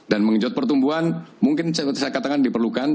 dan mengenjot pertumbuhan mungkin saya katakan diperlukan